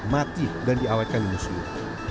mati dan diawetkan di museum